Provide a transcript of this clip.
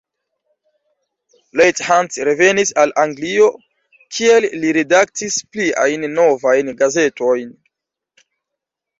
Leigh Hunt revenis al Anglio kie li redaktis pliajn novajn gazetojn.